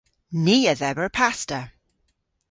Ni a dheber pasta.